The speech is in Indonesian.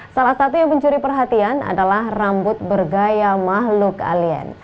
salah satu yang mencuri perhatian adalah rambut bergaya makhluk alien